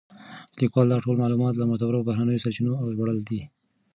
لیکوال دا ټول معلومات له معتبرو بهرنیو سرچینو ژباړلي دي.